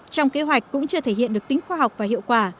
trong kế hoạch cũng chưa thể hiện được tính khoa học và hiệu quả